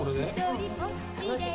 楽しい。